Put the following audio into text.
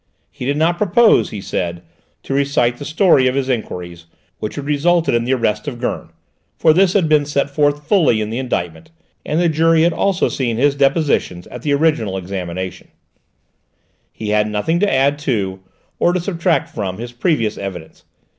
He did not propose, he said, to recite the story of his enquiries, which had resulted in the arrest of Gurn, for this had been set forth fully in the indictment, and the jury had also seen his depositions at the original examination: he had nothing to add to, or to subtract from, his previous evidence.